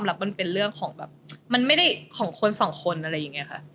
แล้วมันเป็นเรื่องของแบบมันไม่ได้ของคนสองคนอะไรอย่างนี้ค่ะ